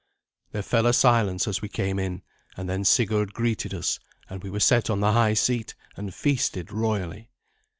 There fell a silence as we came in, and then Sigurd greeted us; and we were set on the high seat, and feasted royally.